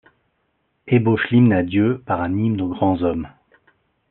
Ébauche l'hymne à Dieu par un hymne aux grands hommes.